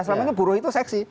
selama ini buruh itu seksi